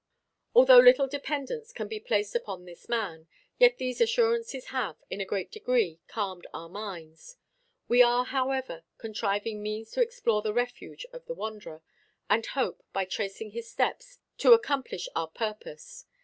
Although little dependence can be placed upon this man, yet these assurances have, in a great degree, calmed our minds. We are, however, contriving means to explore the refuge of the wanderer, and hope, by tracing his steps, to accomplish our purpose.